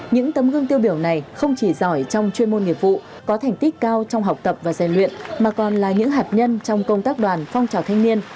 những tấm gương tiêu biểu này không chỉ giỏi trong chuyên môn nghiệp vụ có thành tích cao trong học tập và giải luyện mà còn là những hạt nhân trong công tác đoàn phong trào thanh niên